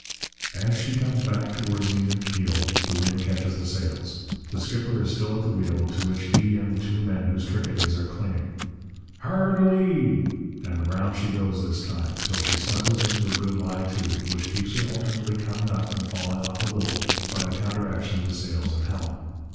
As she comes back towards an even keel the wind catches the sails. The skipper is still at the wheel, to which he and the two men whose trick it is are clinging. 'Hard a lee!' and round she goes this time, till she snuggles into a good lie to, which keeps her alternately coming up and falling off a little, by the counteraction of the sails and helm.